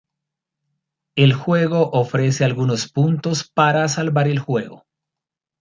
El juego ofrece algunos puntos para salvar el juego.